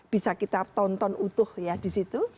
bisa kita tonton utuh ya di situ